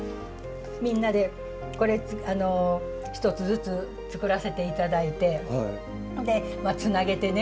みんなで１つずつ作らせて頂いてでつなげてね